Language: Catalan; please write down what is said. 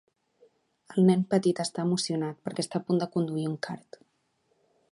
El nen petit està emocionat perquè està a punt de conduir un kart.